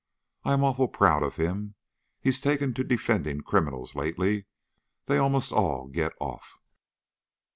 I'm awful proud of him. He's taken to defending criminals lately. They almost all get off."